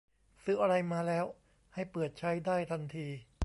ซื้ออะไรมาแล้วให้เปิดใช้ได้ทันที